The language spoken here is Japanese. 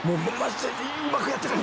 うまくやってくれ！